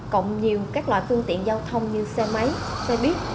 cộng nhiều các loại phương tiện giao thông như xe máy xe buýt